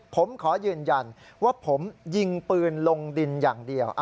ผมขอยืนยันว่าผมยิงปืนลงดินอย่างเดียว